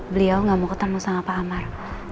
beliau gak mau ketemu sama pak amar